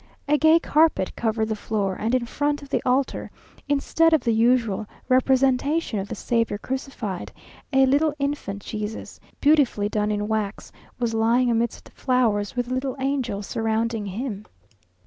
A gay carpet covered the floor, and in front of the altar, instead of the usual representation of the Saviour crucified, a little infant Jesús, beautifully done in wax, was lying amidst flowers with little angels surrounding him.